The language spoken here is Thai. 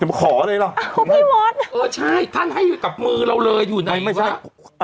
จะมาขอเลยหรอเออใช่ท่านให้กับมือเราเลยอยู่ไหนวะ